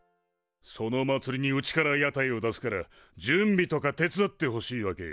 そのまつりにうちから屋台を出すから準備とか手伝ってほしいわけよ。